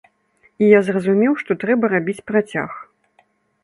І я зразумеў, што трэба рабіць працяг.